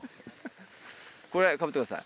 これかぶってください。